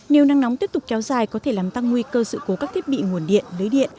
nếu nắng nóng tiếp tục kéo dài có thể làm tăng nguy cơ sự cố các thiết bị nguồn điện lưới điện